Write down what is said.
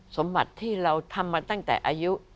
สมบัติที่เราทำมาตั้งแต่อายุ